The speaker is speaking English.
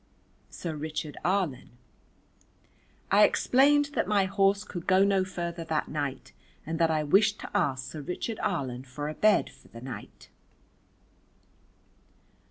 Sir Richard Arlen. I explained that my horse could go no further that night and that I wished to ask Sir Richard Arlen for a bed for the night.